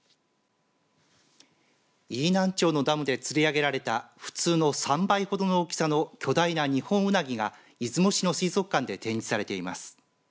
飯南町のダムでつり上げられた普通の３倍ほどの大きさの巨大なニホンウナギが出雲市の水族館で展示されています。